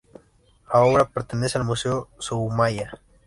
La obra pertenece al Museo Soumaya.